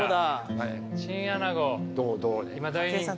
今大人気。